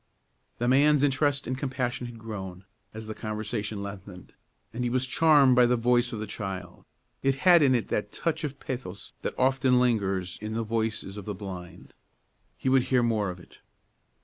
The man's interest and compassion had grown, as the conversation lengthened, and he was charmed by the voice of the child. It had in it that touch of pathos that often lingers in the voices of the blind. He would hear more of it.